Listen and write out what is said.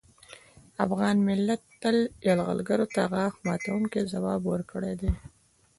افغان ملت تل یرغلګرو ته غاښ ماتوونکی ځواب ورکړی دی